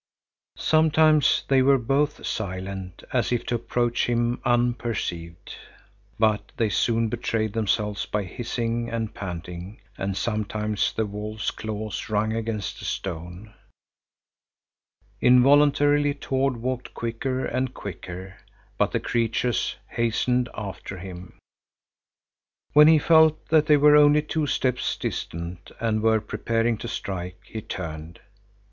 Sometimes they were both silent, as if to approach him unperceived, but they soon betrayed themselves by hissing and panting, and sometimes the wolf's claws rung against a stone. Involuntarily Tord walked quicker and quicker, but the creatures hastened after him. When he felt that they were only two steps distant and were preparing to strike, he turned.